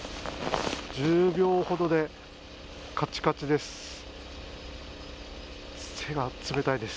１０秒ほどでカチカチです。